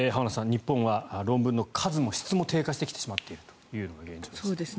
日本は論文の数も質も低下してきてしまっているのが現状です。